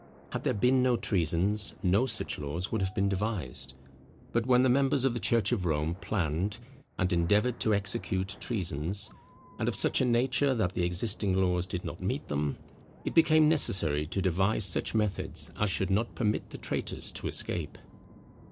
Had there been no treasons no such laws would have been devised; but when the members of the church of Rome planned, and endeavoured to execute, treasons, and of such a nature that the existing laws did not meet them, it became necessary to devise such methods as should not permit the traitors to escape.